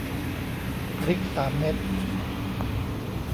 พริกสามเม็ด